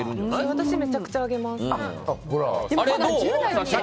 私めちゃくちゃ上げます。